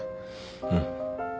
うん。